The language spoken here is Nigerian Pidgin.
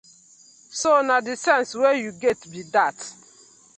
So na dey sence wey yu get bi dat.